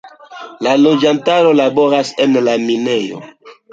La loĝantaro laboras en la minejo.